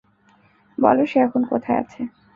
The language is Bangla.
বলো, সে এখন কোথায় আছে?